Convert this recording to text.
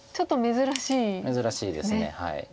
珍しいです。